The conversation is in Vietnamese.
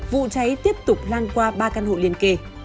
vụ cháy tiếp tục lan qua ba căn hộ liên kề